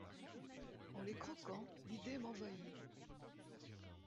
En les croquant, l’idée m’envahit.